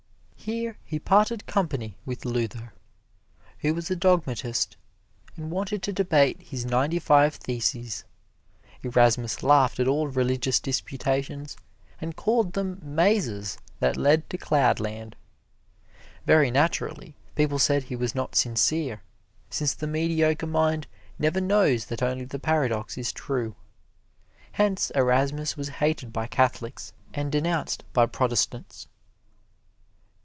Here he parted company with Luther, who was a dogmatist and wanted to debate his ninety five theses. Erasmus laughed at all religious disputations and called them mazes that led to cloudland. Very naturally, people said he was not sincere, since the mediocre mind never knows that only the paradox is true. Hence Erasmus was hated by Catholics and denounced by Protestants.